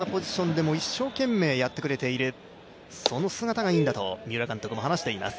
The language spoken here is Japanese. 本当にどんなポジションでも一生懸命やってくれているその姿がいいんだと三浦監督も話しています。